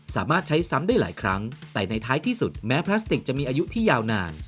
สามารถใช้ซ้ำได้หลายครั้งแต่ในท้ายที่สุดแม้พลาสติกจะมีอายุที่ยาวนาน